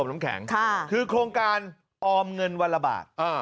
แล้วก็วันละบาท